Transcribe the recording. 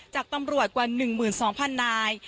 จากตำรวจกว่า๑๒๐๐๐นาย